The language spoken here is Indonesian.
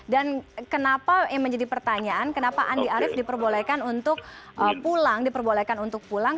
dan kenapa yang menjadi pertanyaan kenapa andi arief diperbolehkan untuk pulang